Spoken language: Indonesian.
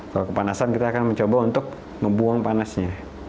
kalau kepanasan kita akan mencoba untuk ngebuang panasnya